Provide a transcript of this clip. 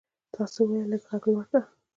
تا څه وویل ؟ لږ ږغ لوړ کړه !